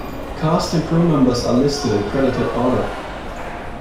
Cast and Crew Members are listed in credited order.